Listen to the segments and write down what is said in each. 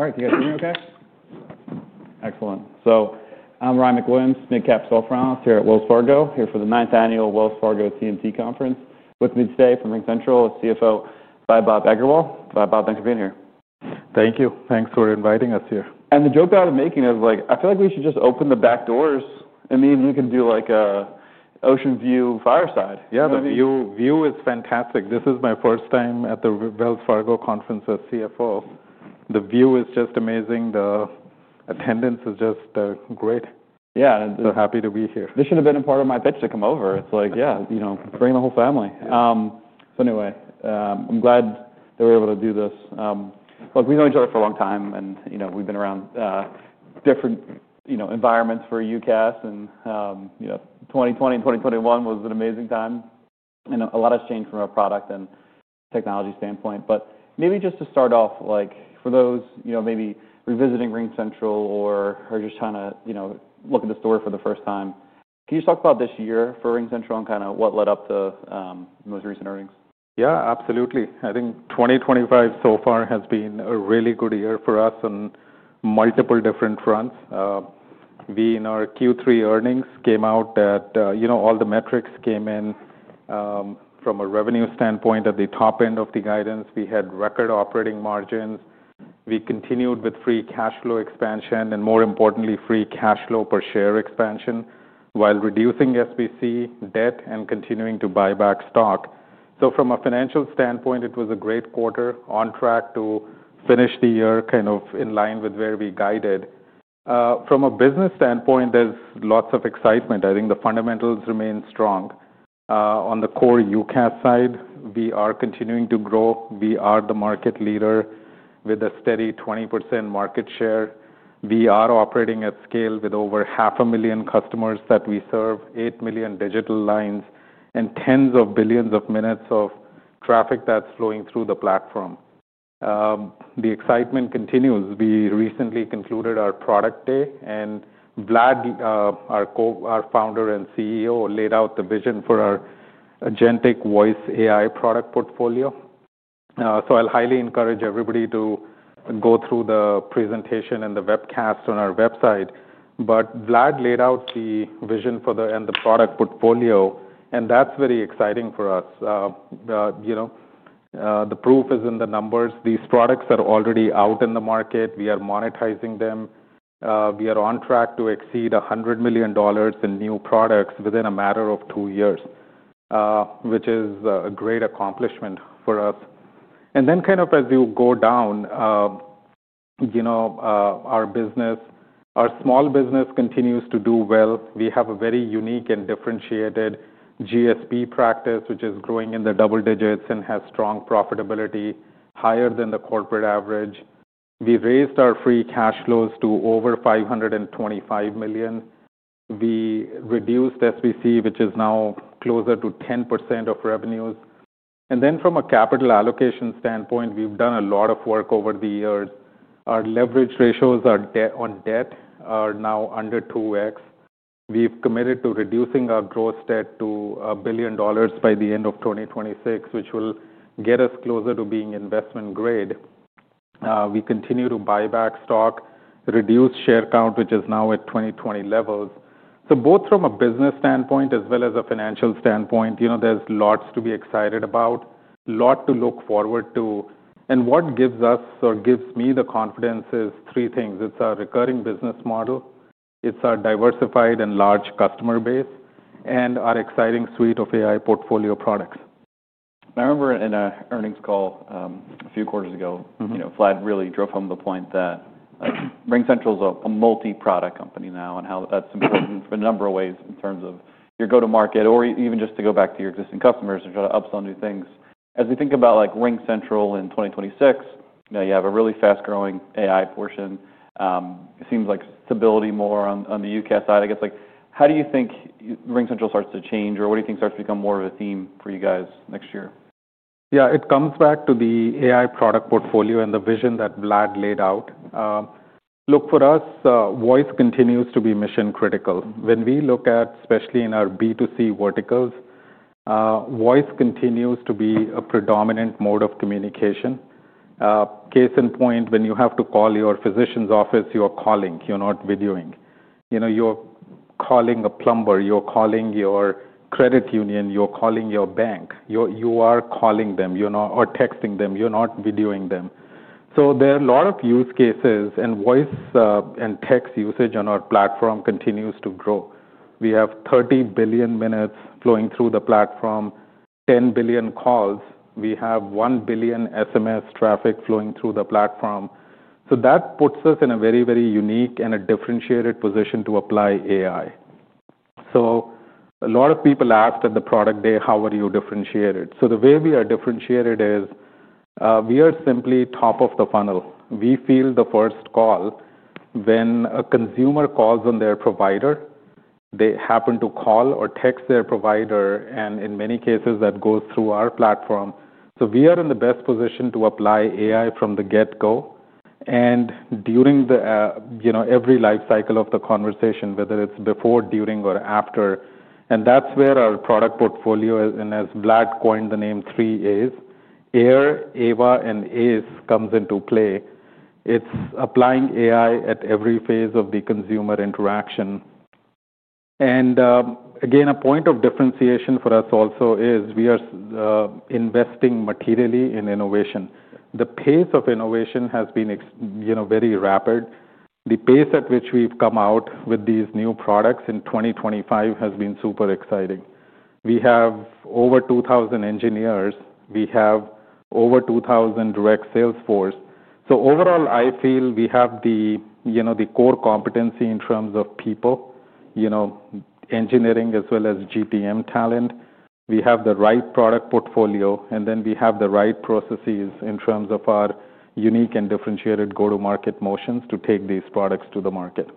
All right. You guys hear me okay? Excellent. I'm Ryan McGinnis, mid-cap front office here at Wells Fargo, here for The 9th Annual Wells Fargo TMT Conference. With me today from RingCentral, the CFO, Vaibhav Agarwal. Vaibhav, thanks for being here. Thank you. Thanks for inviting us here. The joke I was making is, like, I feel like we should just open the back doors and maybe we can do, like, an ocean view fireside. Yeah. The view, view is fantastic. This is my first time at the Wells Fargo conference as CFO. The view is just amazing. The attendance is just, great. Yeah. Happy to be here. This should have been a part of my pitch to come over. It's like, yeah, you know, bring the whole family. Anyway, I'm glad that we're able to do this. Look, we've known each other for a long time and, you know, we've been around, different, you know, environments for UCaaS and, you know, 2020 and 2021 was an amazing time. You know, a lot has changed from a product and technology standpoint. Maybe just to start off, for those, you know, maybe revisiting RingCentral or just trying to, you know, look at the store for the first time, can you just talk about this year for RingCentral and kind of what led up to the most recent earnings? Yeah. Absolutely. I think 2025 so far has been a really good year for us on multiple different fronts. We, in our Q3 earnings, came out at, you know, all the metrics came in, from a revenue standpoint at the top end of the guidance. We had record operating margins. We continued with Free cash flow expansion and, more importantly, Free cash flow per share expansion while reducing SBC debt and continuing to buy back stock. From a financial standpoint, it was a great quarter, on track to finish the year kind of in line with where we guided. From a business standpoint, there's lots of excitement. I think the fundamentals remain strong. On the core UCaaS side, we are continuing to grow. We are the market leader with a steady 20% market share. We are operating at scale with over 500,000 customers that we serve, 8 million digital lines, and tens of billions of minutes of traffic that's flowing through the platform. The excitement continues. We recently concluded our product day and Vlad, our Co-founder and CEO, laid out the vision for our agentic voice AI product portfolio. I highly encourage everybody to go through the presentation and the webcast on our website. Vlad laid out the vision for the end of the product portfolio and that's very exciting for us. You know, the proof is in the numbers. These products are already out in the market. We are monetizing them. We are on track to exceed $100 million in new products within a matter of two years, which is a great accomplishment for us. Then kind of as you go down, you know, our business, our small business continues to do well. We have a very unique and differentiated GSP practice, which is growing in the double digits and has strong profitability, higher than the corporate average. We raised our Free cash flows to over $525 million. We reduced SBC, which is now closer to 10% of revenues. Then from a capital allocation standpoint, we've done a lot of work over the years. Our leverage ratios on debt are now under 2x. We've committed to reducing our gross debt to $1 billion by the end of 2026, which will get us closer to being investment grade. We continue to buy back stock, reduce share count, which is now at 2020 levels. Both from a business standpoint as well as a financial standpoint, you know, there's lots to be excited about, a lot to look forward to. What gives us or gives me the confidence is three things. It's our recurring business model. It's our diversified and large customer base and our exciting suite of AI portfolio products. I remember in an earnings call, a few quarters ago. Mm-hmm. You know, Vlad really drove home the point that RingCentral's a multi-product company now and how that's important for a number of ways in terms of your go-to-market or even just to go back to your existing customers and try to upsell new things. As we think about, like, RingCentral in 2026, you know, you have a really fast-growing AI portion. It seems like stability more on, on the UCaaS side, I guess. Like, how do you think RingCentral starts to change or what do you think starts to become more of a theme for you guys next year? Yeah. It comes back to the AI product portfolio and the vision that Vlad laid out. Look, for us, voice continues to be mission-critical. When we look at, especially in our B2C verticals, voice continues to be a predominant mode of communication. Case in point, when you have to call your physician's office, you're calling. You're not videoing. You know, you're calling a plumber. You're calling your credit union. You're calling your bank. You are calling them, you know, or texting them. You're not videoing them. There are a lot of use cases, and voice and text usage on our platform continues to grow. We have 30 billion minutes flowing through the platform, 10 billion calls. We have 1 billion SMS traffic flowing through the platform. That puts us in a very, very unique and differentiated position to apply AI. A lot of people asked at the product day, "How are you differentiated?" The way we are differentiated is, we are simply top of the funnel. We field the first call. When a consumer calls on their provider, they happen to call or text their provider, and in many cases, that goes through our platform. We are in the best position to apply AI from the get-go and during the, you know, every life cycle of the conversation, whether it is before, during, or after. That is where our product portfolio is, and as Vlad coined the name, three A's, Air, Ava, and Ace comes into play. It is applying AI at every phase of the consumer interaction. Again, a point of differentiation for us also is we are investing materially in innovation. The pace of innovation has been ex, you know, very rapid. The pace at which we've come out with these new products in 2025 has been super exciting. We have over 2,000 engineers. We have over 2,000 direct sales force. Overall, I feel we have the, you know, the core competency in terms of people, you know, engineering as well as GTM talent. We have the right product portfolio, and then we have the right processes in terms of our unique and differentiated go-to-market motions to take these products to the market.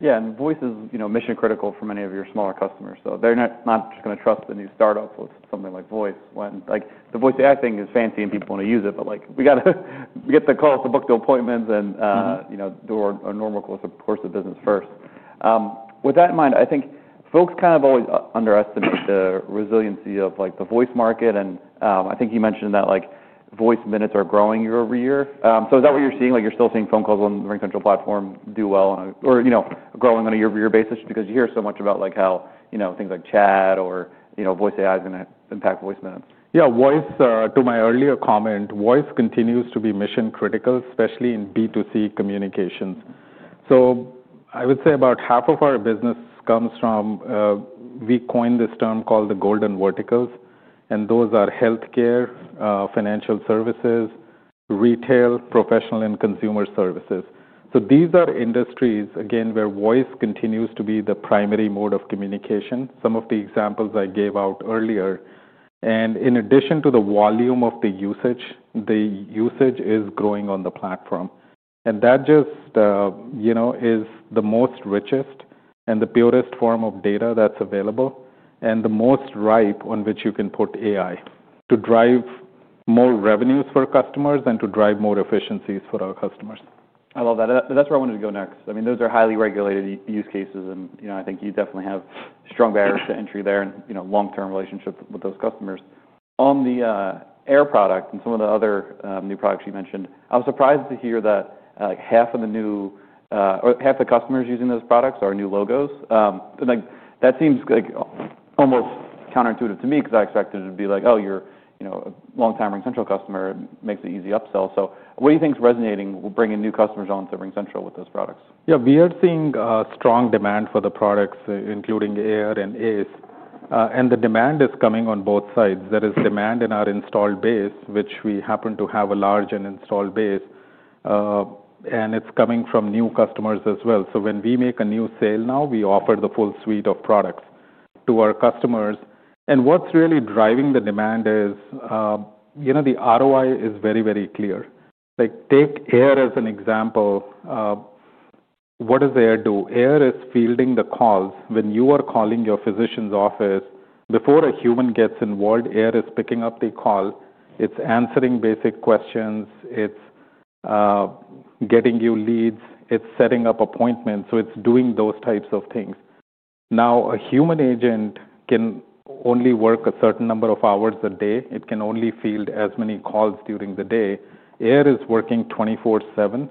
Yeah. Voice is, you know, mission-critical for many of your smaller customers. They are not just gonna trust the new startup with something like voice when, like, the voice AI thing is fancy and people wanna use it, but, like, we gotta get the calls to book the appointments and, you know, do our normal course of business first. With that in mind, I think folks kind of always underestimate the resiliency of, like, the voice market. I think you mentioned that, like, voice minutes are growing year over year. Is that what you're seeing? Like, you're still seeing phone calls on the RingCentral platform do well, or, you know, growing on a year-over-year basis because you hear so much about, like, how, you know, things like chat or, you know, voice AI is gonna impact voice minutes. Yeah. Voice, to my earlier comment, voice continues to be mission-critical, especially in B2C communications. I would say about half of our business comes from, we coined this term called the golden verticals, and those are healthcare, financial services, retail, professional, and consumer services. These are industries, again, where voice continues to be the primary mode of communication. Some of the examples I gave out earlier. In addition to the volume of the usage, the usage is growing on the platform. That just, you know, is the most richest and the purest form of data that's available and the most ripe on which you can put AI to drive more revenues for customers and to drive more efficiencies for our customers. I love that. That's where I wanted to go next. I mean, those are highly regulated use cases, and, you know, I think you definitely have strong barriers to entry there and, you know, long-term relationships with those customers. On the Air product and some of the other new products you mentioned, I was surprised to hear that, like, half of the new, or half the customers using those products are new logos. And, like, that seems, like, almost counterintuitive to me 'cause I expected it to be like, "Oh, you're, you know, a long-time RingCentral customer. It makes it easy upsell." What do you think's resonating will bring in new customers onto RingCentral with those products? Yeah. We are seeing strong demand for the products, including Air and Ace. The demand is coming on both sides. There is demand in our installed base, which we happen to have a large installed base, and it's coming from new customers as well. When we make a new sale now, we offer the full suite of products to our customers. What's really driving the demand is, you know, the ROI is very, very clear. Like, take Air as an example. What does Air do? Air is fielding the calls. When you are calling your physician's office, before a human gets involved, Air is picking up the call. It's answering basic questions. It's getting you leads. It's setting up appointments. It's doing those types of things. Now, a human agent can only work a certain number of hours a day. It can only field as many calls during the day. Air is working 24/7,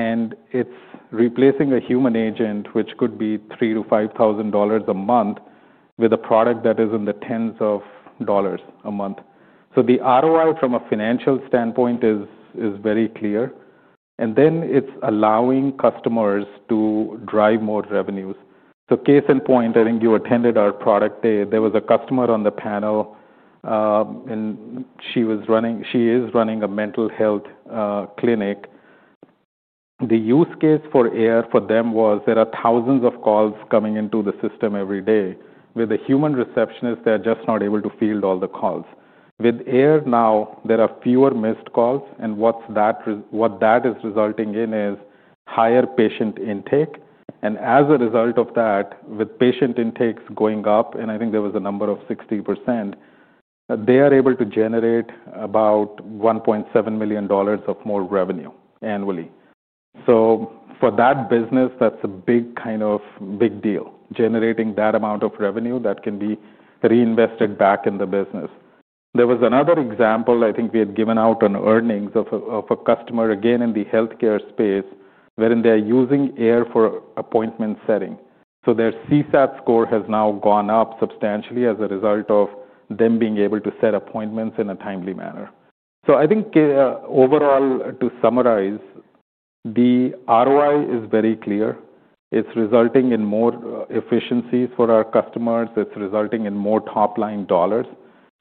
and it's replacing a human agent, which could be $3,000 - $5,000 a month, with a product that is in the tens of dollars a month. The ROI from a financial standpoint is very clear. It is allowing customers to drive more revenues. Case in point, I think you attended our product day. There was a customer on the panel, and she is running a mental health clinic. The use case for Air for them was there are thousands of calls coming into the system every day. With a human receptionist, they're just not able to field all the calls. With Air now, there are fewer missed calls. What that is resulting in is higher patient intake. As a result of that, with patient intakes going up, and I think there was a number of 60%, they are able to generate about $1.7 million of more revenue annually. For that business, that's a big kind of big deal, generating that amount of revenue that can be reinvested back in the business. There was another example I think we had given out on earnings of a customer again in the healthcare space wherein they're using Air for appointment setting. Their CSAT score has now gone up substantially as a result of them being able to set appointments in a timely manner. I think, overall, to summarize, the ROI is very clear. It's resulting in more efficiencies for our customers. It's resulting in more top-line dollars.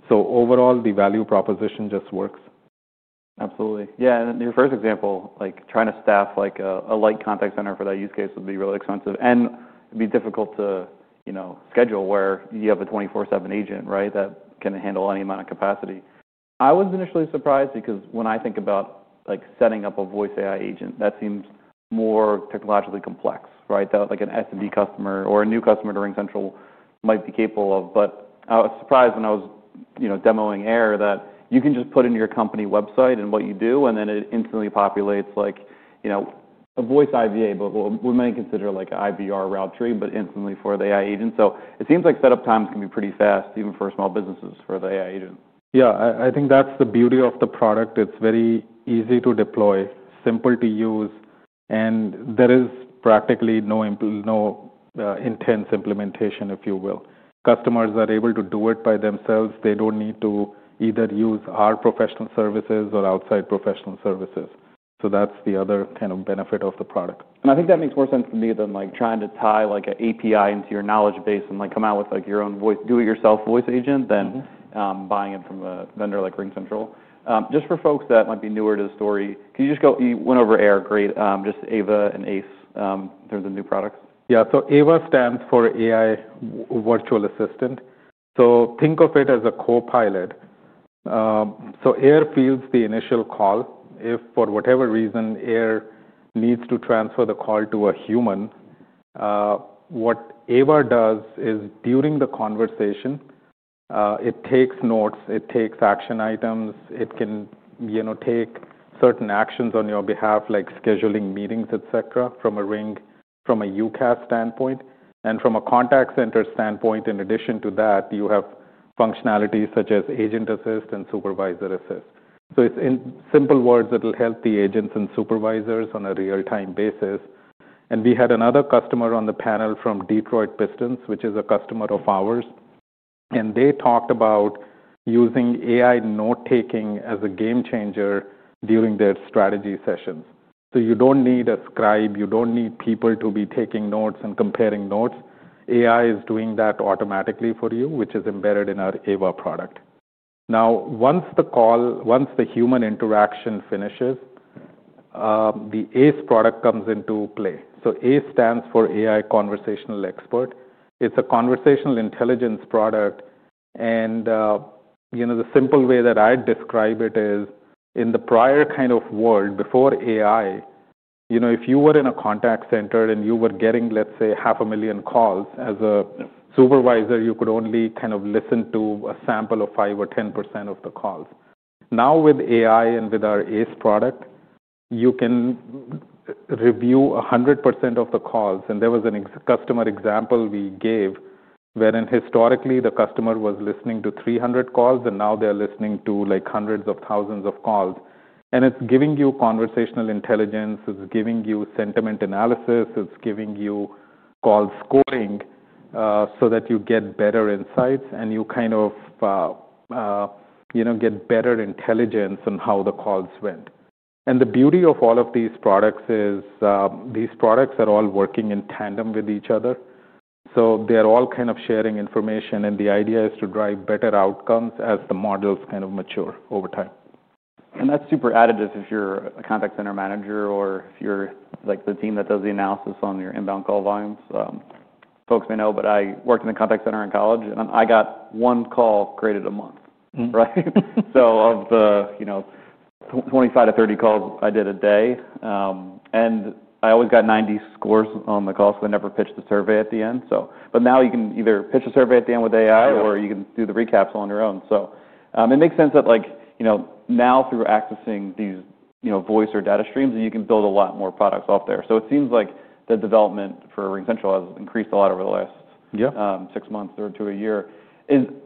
Overall, the value proposition just works. Absolutely. Yeah. Your first example, like, trying to staff, like, a light contact center for that use case would be really expensive and would be difficult to, you know, schedule where you have a 24/7 agent, right, that can handle any amount of capacity. I was initially surprised because when I think about, like, setting up a voice AI agent, that seems more technologically complex, right, that, like, an SMB customer or a new customer to RingCentral might be capable of. I was surprised when I was, you know, demoing Air that you can just put in your company website and what you do, and then it instantly populates, like, you know, a voice IVA, but we may consider, like, an IVR route tree, but instantly for the AI agent. It seems like setup times can be pretty fast, even for small businesses, for the AI agent. Yeah. I think that's the beauty of the product. It's very easy to deploy, simple to use, and there is practically no intense implementation, if you will. Customers are able to do it by themselves. They don't need to either use our professional services or outside professional services. That's the other kind of benefit of the product. I think that makes more sense to me than, like, trying to tie, like, an API into your knowledge base and, like, come out with, like, your own voice do-it-yourself voice agent than. Mm-hmm. buying it from a vendor like RingCentral. Just for folks that might be newer to the story, can you just go, you went over Air. Great. Just Ava and Ace, in terms of new products. Yeah. So Ava stands for AI Virtual Assistant. So think of it as a copilot. Air fields the initial call. If for whatever reason Air needs to transfer the call to a human, what Ava does is during the conversation, it takes notes. It takes action items. It can, you know, take certain actions on your behalf, like scheduling meetings, etc., from a RingCentral, from a UCaaS standpoint. And from a contact center standpoint, in addition to that, you have functionalities such as agent assist and supervisor assist. It is, in simple words, it'll help the agents and supervisors on a real-time basis. We had another customer on the panel from Detroit Pistons, which is a customer of ours. They talked about using AI note-taking as a game changer during their strategy sessions. You don't need a scribe. You don't need people to be taking notes and comparing notes. AI is doing that automatically for you, which is embedded in our Ava product. Now, once the call, once the human interaction finishes, the Ace product comes into play. Ace stands for AI Conversational Expert. It's a conversational intelligence product. You know, the simple way that I'd describe it is in the prior kind of world, before AI, you know, if you were in a contact center and you were getting, let's say, 500,000 calls, as a supervisor, you could only kind of listen to a sample of 5% or 10% of the calls. Now, with AI and with our Ace product, you can review 100% of the calls. There was an ex customer example we gave wherein historically the customer was listening to 300 calls, and now they're listening to, like, hundreds of thousands of calls. It's giving you conversational intelligence. It's giving you sentiment analysis. It's giving you call scoring, so that you get better insights and you kind of, you know, get better intelligence on how the calls went. The beauty of all of these products is, these products are all working in tandem with each other. They're all kind of sharing information, and the idea is to drive better outcomes as the models kind of mature over time. That's super additive if you're a contact center manager or if you're, like, the team that does the analysis on your inbound call volumes. Folks may know, but I worked in a contact center in college, and then I got one call created a month. Mm-hmm. Right? So of the, you know, 25-30 calls I did a day, and I always got 90 scores on the call, so I never pitched the survey at the end. So. But now you can either pitch a survey at the end with AI. Sure. Or you can do the recaps all on your own. It makes sense that, like, you know, now through accessing these, you know, voice or data streams, you can build a lot more products off there. It seems like the development for RingCentral has increased a lot over the last. Yeah. Six months or to a year.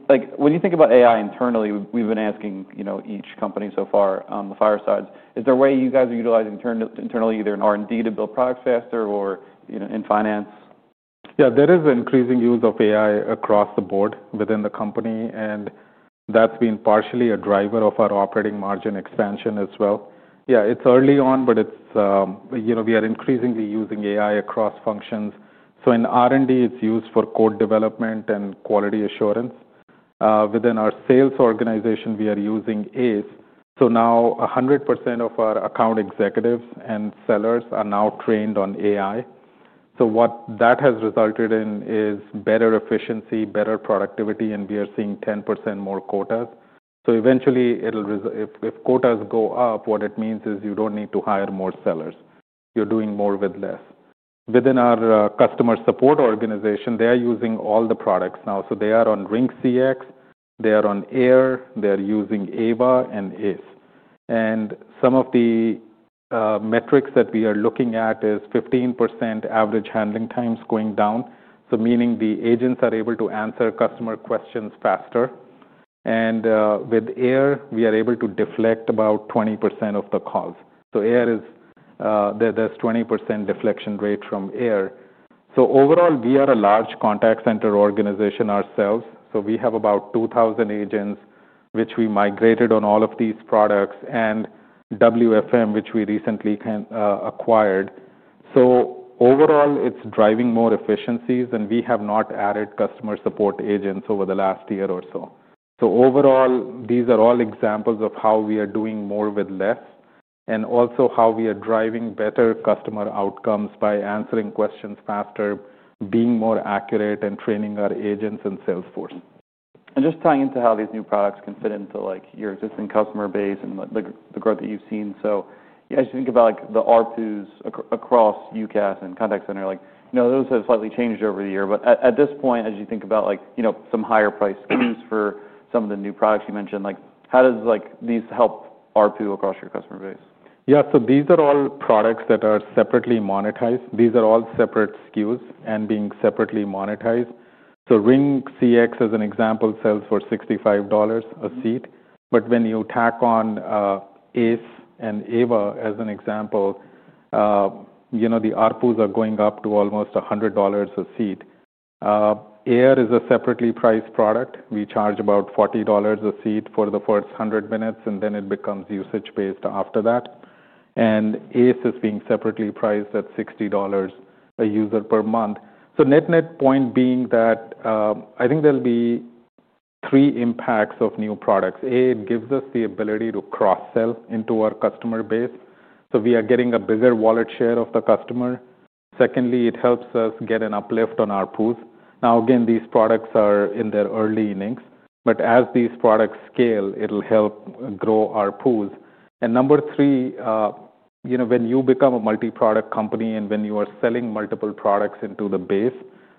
Like, when you think about AI internally, we've been asking, you know, each company so far, the Firesides, is there a way you guys are utilizing internally either in R&D to build products faster or, you know, in finance? Yeah. There is an increasing use of AI across the board within the company, and that's been partially a driver of our operating margin expansion as well. Yeah. It's early on, but it's, you know, we are increasingly using AI across functions. In R&D, it's used for code development and quality assurance. Within our sales organization, we are using Ace. Now 100% of our account executives and sellers are now trained on AI. What that has resulted in is better efficiency, better productivity, and we are seeing 10% more quotas. Eventually, if quotas go up, what it means is you don't need to hire more sellers. You're doing more with less. Within our customer support organization, they are using all the products now. They are on RingCX. They are on Air. They are using Ava and Ace. Some of the metrics that we are looking at is 15% average handling times going down, meaning the agents are able to answer customer questions faster. With Air, we are able to deflect about 20% of the calls. Air has a 20% deflection rate. Overall, we are a large contact center organization ourselves. We have about 2,000 agents, which we migrated on all of these products, and WFM, which we recently acquired. Overall, it is driving more efficiencies, and we have not added customer support agents over the last year or so. These are all examples of how we are doing more with less and also how we are driving better customer outcomes by answering questions faster, being more accurate, and training our agents and salesforce. Just tying into how these new products can fit into, like, your existing customer base and the growth that you've seen, as you think about, like, the RPUs across UCaaS and contact center, like, you know, those have slightly changed over the year. At this point, as you think about, like, you know, some higher-priced SKUs for some of the new products you mentioned, like, how does, like, these help RPU across your customer base? Yeah. So these are all products that are separately monetized. These are all separate SKUs and being separately monetized. RingCX, as an example, sells for $65 a seat. When you tack on Ace and Ava as an example, you know, the RPUs are going up to almost $100 a seat. Air is a separately priced product. We charge about $40 a seat for the first 100 minutes, and then it becomes usage-based after that. Ace is being separately priced at $60 a user per month. Net-net point being that, I think there'll be three impacts of new products. A, it gives us the ability to cross-sell into our customer base. We are getting a bigger wallet share of the customer. Secondly, it helps us get an uplift on our pools. Now, again, these products are in their early innings, but as these products scale, it'll help grow our pools. Number three, you know, when you become a multi-product company and when you are selling multiple products into the base,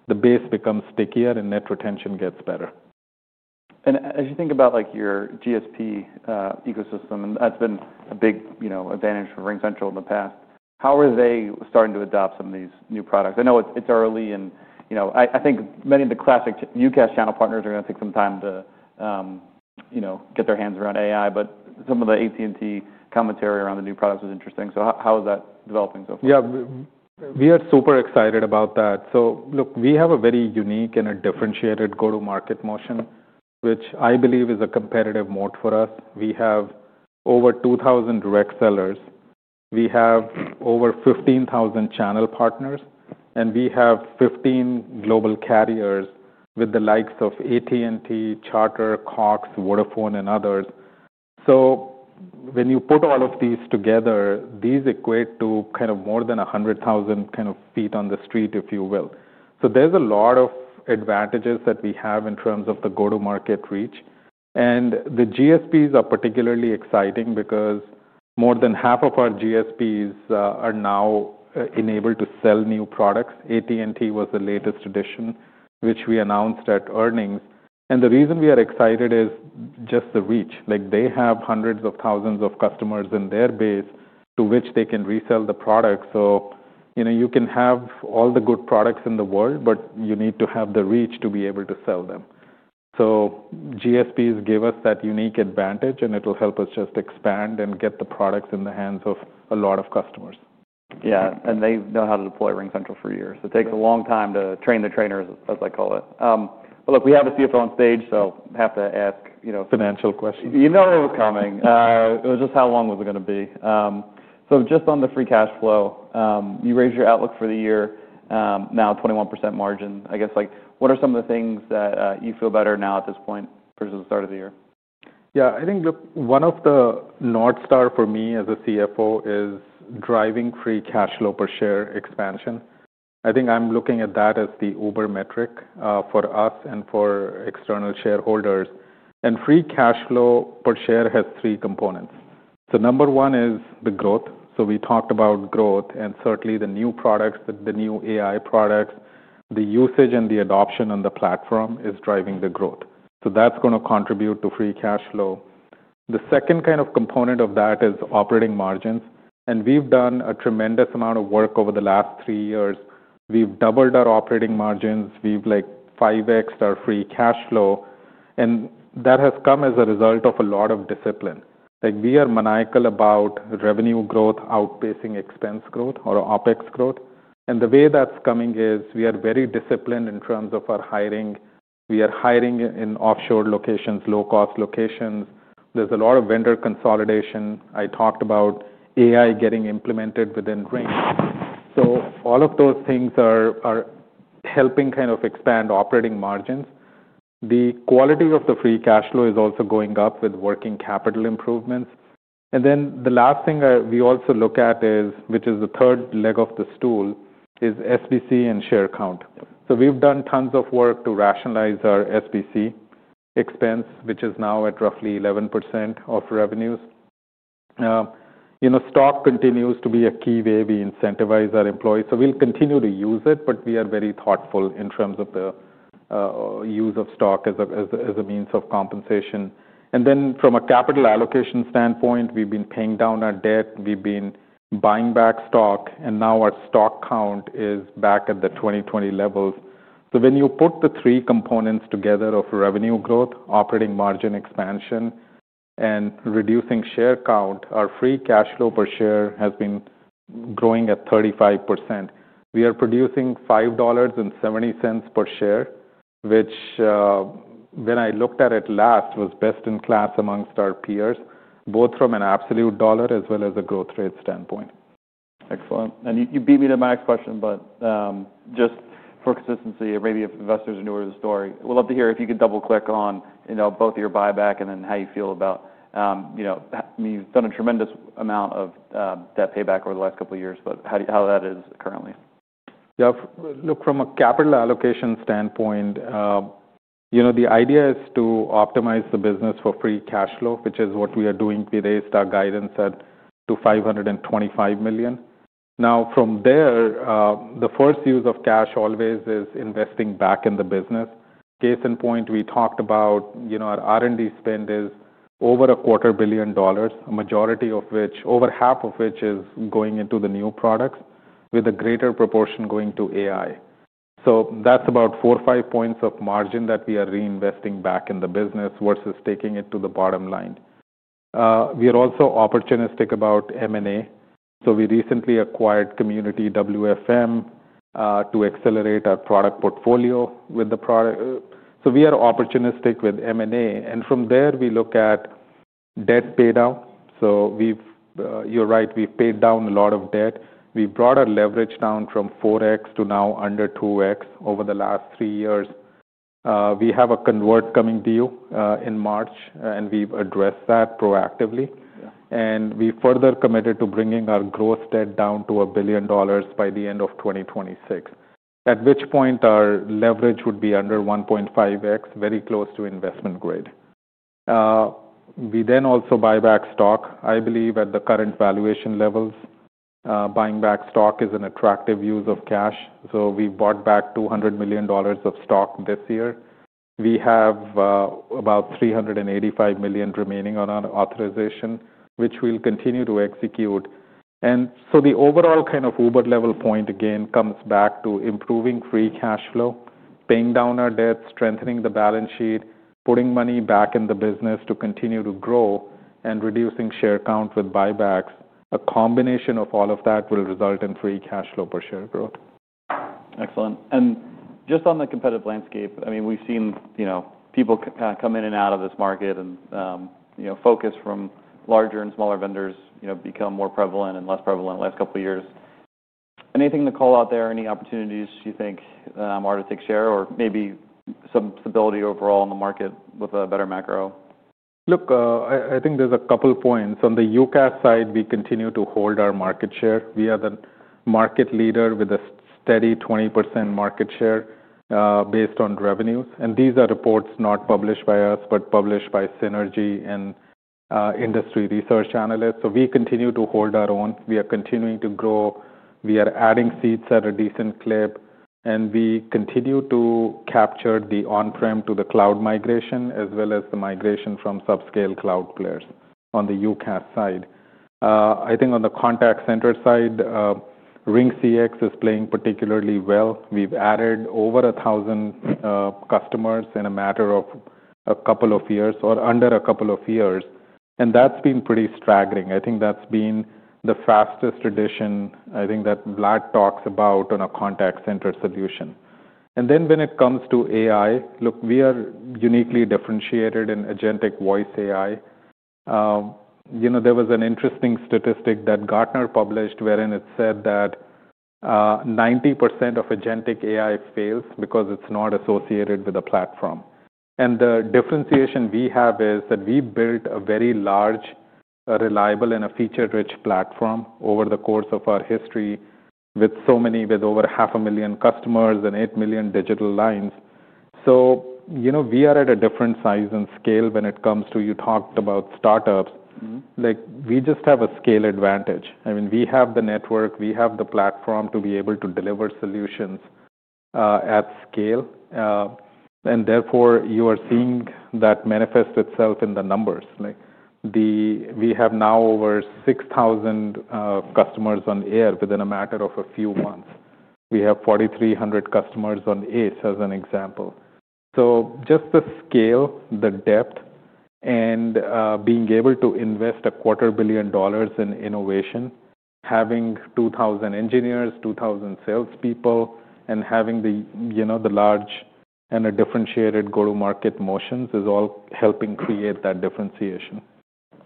the base becomes stickier and net retention gets better. As you think about, like, your GSP ecosystem, and that's been a big, you know, advantage for RingCentral in the past, how are they starting to adopt some of these new products? I know it's early and, you know, I think many of the classic UCaaS channel partners are gonna take some time to, you know, get their hands around AI, but some of the AT&T commentary around the new products is interesting. How is that developing so far? Yeah. We are super excited about that. Look, we have a very unique and a differentiated go-to-market motion, which I believe is a competitive moat for us. We have over 2,000 direct sellers. We have over 15,000 channel partners, and we have 15 global carriers with the likes of AT&T, Charter, Cox, Vodafone, and others. When you put all of these together, these equate to kind of more than 100,000 kind of feet on the street, if you will. There are a lot of advantages that we have in terms of the go-to-market reach. The GSPs are particularly exciting because more than half of our GSPs are now enabled to sell new products. AT&T was the latest addition, which we announced at earnings. The reason we are excited is just the reach. Like, they have hundreds of thousands of customers in their base to which they can resell the product. You know, you can have all the good products in the world, but you need to have the reach to be able to sell them. GSPs give us that unique advantage, and it'll help us just expand and get the products in the hands of a lot of customers. Yeah. And they know how to deploy RingCentral for years. It takes a long time to train the trainers, as I call it. Look, we have a CFO on stage, so I have to ask, you know, financial questions. You know it was coming. It was just how long was it gonna be? Just on the Free cash flow, you raised your outlook for the year, now 21% margin. I guess, like, what are some of the things that you feel better now at this point versus the start of the year? Yeah. I think, look, one of the North Stars for me as a CFO is driving Free cash flow per share expansion. I think I'm looking at that as the Uber metric, for us and for external shareholders. And Free cash flow per share has three components. Number one is the growth. We talked about growth, and certainly the new products, the new AI products, the usage and the adoption on the platform is driving the growth. That's gonna contribute to Free cash flow. The second kind of component of that is Operating Margins. We've done a tremendous amount of work over the last three years. We've doubled our Operating Margins. We've, like, 5X'd our Free cash flow, and that has come as a result of a lot of discipline. Like, we are maniacal about revenue growth outpacing expense growth or OPEX growth. The way that's coming is we are very disciplined in terms of our hiring. We are hiring in offshore locations, low-cost locations. There's a lot of vendor consolidation. I talked about AI getting implemented within Ring. All of those things are helping kind of expand Operating Margins. The quality of the Free cash flow is also going up with working capital improvements. The last thing we also look at, which is the third leg of the stool, is SBC and share count. We've done tons of work to rationalize our SBC expense, which is now at roughly 11% of revenues. You know, stock continues to be a key way we incentivize our employees. We'll continue to use it, but we are very thoughtful in terms of the use of stock as a means of compensation. From a capital allocation standpoint, we've been paying down our debt. We've been buying back stock, and now our stock count is back at the 2020 levels. When you put the three components together of revenue growth, operating margin expansion, and reducing share count, our Free cash flow per share has been growing at 35%. We are producing $5.70 per share, which, when I looked at it last, was best in class amongst our peers, both from an absolute dollar as well as a growth rate standpoint. Excellent. You beat me to my next question, but just for consistency or maybe if investors are newer to the story, we'd love to hear if you could double-click on, you know, both of your buyback and then how you feel about, you know, you've done a tremendous amount of debt payback over the last couple of years, but how that is currently. Yeah. Look, from a capital allocation standpoint, you know, the idea is to optimize the business for Free cash flow, which is what we are doing. We raised our guidance to $525 million. Now, from there, the first use of cash always is investing back in the business. Case in point, we talked about, you know, our R&D spend is over a quarter billion dollars, a majority of which, over half of which, is going into the new products with a greater proportion going to AI. So that's about four or five percentage points of margin that we are reinvesting back in the business versus taking it to the bottom line. We are also opportunistic about M&A. We recently acquired Community WFM, to accelerate our product portfolio with the product. We are opportunistic with M&A. From there, we look at debt paydown. You're right. We've paid down a lot of debt. We've brought our leverage down from 4X to now under 2X over the last three years. We have a convert coming to you, in March, and we've addressed that proactively. We further committed to bringing our gross debt down to $1 billion by the end of 2026, at which point our leverage would be under 1.5X, very close to investment grade. We then also buy back stock, I believe, at the current valuation levels. Buying back stock is an attractive use of cash. We bought back $200 million of stock this year. We have about $385 million remaining on our authorization, which we'll continue to execute. The overall kind of Uber level point again comes back to improving Free cash flow, paying down our debt, strengthening the Balance Sheet, putting money back in the business to continue to grow, and reducing share count with buybacks. A combination of all of that will result in Free cash flow per share growth. Excellent. Just on the competitive landscape, I mean, we've seen, you know, people come in and out of this market and, you know, focus from larger and smaller vendors, you know, become more prevalent and less prevalent the last couple of years. Anything to call out there? Any opportunities you think are to take share or maybe some stability overall in the market with a better macro? Look, I think there's a couple points. On the UCaaS side, we continue to hold our market share. We are the market leader with a steady 20% market share, based on revenues. These are reports not published by us but published by Synergy and industry research analysts. We continue to hold our own. We are continuing to grow. We are adding seats at a decent clip, and we continue to capture the on-prem to the cloud migration as well as the migration from subscale cloud players on the UCaaS side. I think on the contact center side, RingCX is playing particularly well. We've added over 1,000 customers in a matter of a couple of years or under a couple of years, and that's been pretty staggering. I think that's been the fastest addition I think that Vlad talks about on a contact center solution. When it comes to AI, look, we are uniquely differentiated in agentic voice AI. You know, there was an interesting statistic that Gartner published wherein it said that 90% of agentic AI fails because it's not associated with a platform. The differentiation we have is that we built a very large, reliable, and feature-rich platform over the course of our history with over 500,000 customers and 8 million digital lines. You know, we are at a different size and scale when it comes to—you talked about startups. Like, we just have a scale advantage. I mean, we have the network. We have the platform to be able to deliver solutions at scale, and therefore you are seeing that manifest itself in the numbers. Like, we have now over 6,000 customers on Air within a matter of a few months. We have 4,300 customers on Ace as an example. Just the scale, the depth, and being able to invest a quarter billion dollars in innovation, having 2,000 engineers, 2,000 salespeople, and having the, you know, the large and a differentiated go-to-market motions is all helping create that differentiation.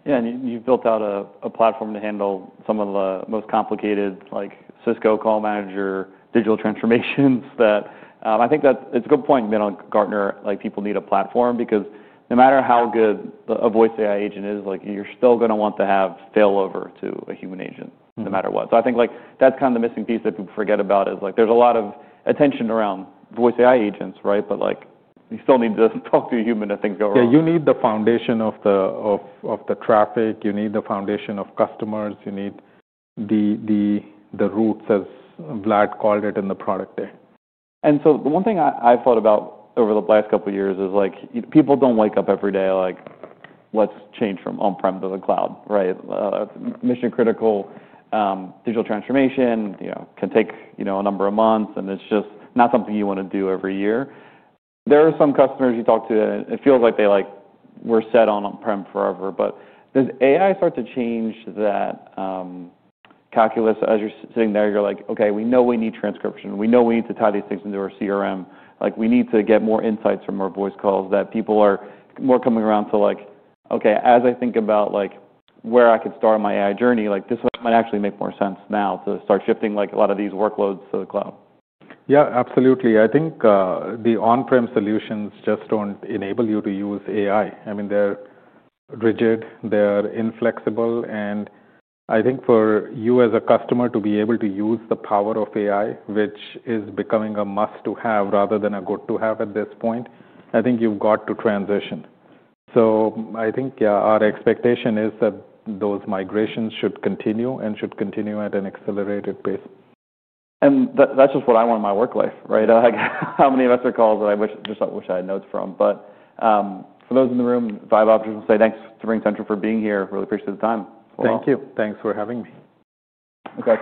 Yeah. And you've built out a platform to handle some of the most complicated, like, Cisco call manager digital transformations that, I think that it's a good point, you know, Gartner, like, people need a platform because no matter how good a voice AI agent is, like, you're still gonna want to have failover to a human agent no matter what. I think, like, that's kind of the missing piece that people forget about is, like, there's a lot of attention around voice AI agents, right? But, like, you still need to talk to a human if things go wrong. Yeah. You need the foundation of the traffic. You need the foundation of customers. You need the roots, as Vlad called it in the product day. The one thing I thought about over the last couple of years is, like, people do not wake up every day like, "Let's change from on-prem to the cloud," right? Mission-critical, digital transformation, you know, can take, you know, a number of months, and it is just not something you want to do every year. There are some customers you talk to, and it feels like they, like, were set on on-prem forever. Does AI start to change that calculus as you are sitting there? You are like, "Okay, we know we need transcription. We know we need to tie these things into our CRM. Like, we need to get more insights from our voice calls that people are more coming around to, like, okay, as I think about, like, where I could start my AI journey, like, this might actually make more sense now to start shifting, like, a lot of these workloads to the cloud. Yeah, absolutely. I think the on-prem solutions just don't enable you to use AI. I mean, they're rigid. They're inflexible. I think for you as a customer to be able to use the power of AI, which is becoming a must to have rather than a good to have at this point, I think you've got to transition. I think, yeah, our expectation is that those migrations should continue and should continue at an accelerated pace. That, that's just what I want in my work life, right? Like, how many of us are calls that I wish, just wish I had notes from? For those in the room, Vaibhav, I'll just say thanks to RingCentral for being here. Really appreciate the time. Thank you. Thanks for having me. Okay.